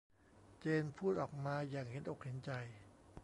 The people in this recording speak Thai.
เจนพูดออกมาอย่างเห็นอกเห็นใจ